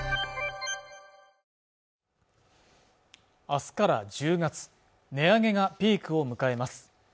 明日から１０月値上げがピークを迎えます